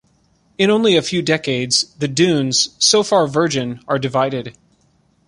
In only a few decades, the dunes, so far virgin, are divided.